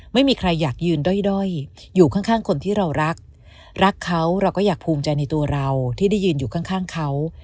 ไม่มีใครอยากยืนด้อยอยู่ข้างคนที่เรารักรักเขาเราก็อยากภูมิใจในตัวเราที่ได้ยืนอยู่ข้างเขา